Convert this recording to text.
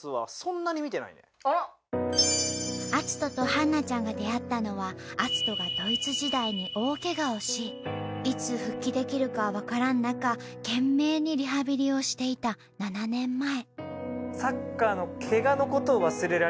篤人と春菜ちゃんが出会ったのは篤人がドイツ時代に大ケガをしいつ復帰できるかわからぬ中懸命にリハビリをしていた７年前。